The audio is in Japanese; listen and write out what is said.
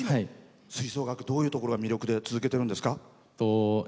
吹奏楽どういうところが魅力で続けてるんですか？